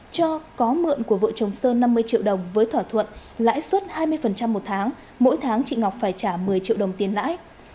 cho có mượn của vợ chồng sơn năm mươi triệu đồng với thỏa thuận lãi suất hai mươi một tháng mỗi tháng chị ngọc phải trả một mươi triệu đồng tiền lãi